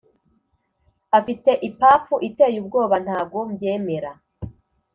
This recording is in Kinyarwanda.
afite ipafu iteye ubwoba ntago mbyemera